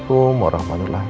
kamu juga ya sayang